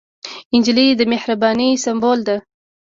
نجلۍ د مهربانۍ سمبول ده.